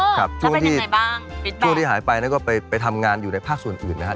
แล้วไปกันไงบ้างฟิตบังช่วงที่หายไปก็ไปทำงานอยู่ในภาคส่วนอื่นนะครับ